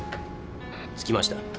着きました。